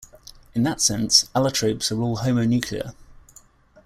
In that sense, allotropes are all homonuclear.